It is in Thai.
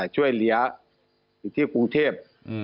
ช่วยเลี่ยอยู่ที่กรุงเทพฯ